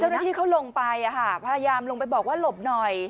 เจ้าหน้าที่เขาลงไปพยายามลงไปบอกว่าหลบหน่อย